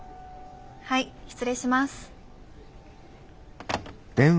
はい失礼します。